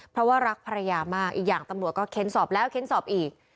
เพราะว่ารักภรรยามากอีกอย่างตำรวจก็เค้นสอบแล้วเค้นสอบอีก